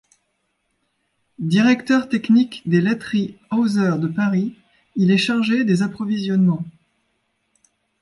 Directeur technique des laiteries Hauser de Paris, il est chargé des approvisionnements.